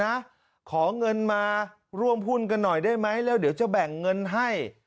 นะขอเงินมาร่วมหุ้นกันหน่อยได้ไหมแล้วเดี๋ยวจะแบ่งเงินให้